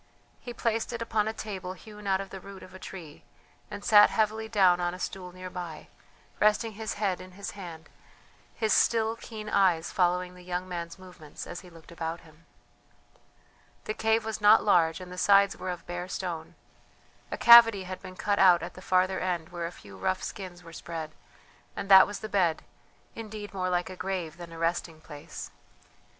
He placed it upon a table hewn out of the root of a tree, and sat heavily down on a stool near by, resting his head in his hand, his still keen eyes following the young man's movements as he looked about him. The cave was not large, and the sides were of bare stone. A cavity had been cut out at the farther end where a few rough skins were spread, and that was the bed, indeed more like a grave than a resting place.